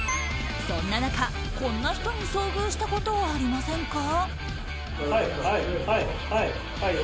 そんな中、こんな人に遭遇したことありませんか？